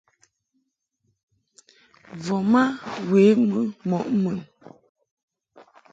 Voma we mɨ mɔʼ mun.